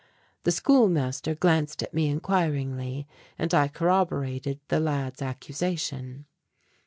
The schoolmaster glanced at me inquiringly and I corroborated the lad's accusation.